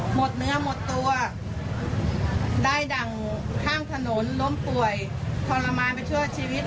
หมดเนื้อหมดตัวได้ดั่งข้างถนนล้มป่วยทรมานไปชั่วชีวิต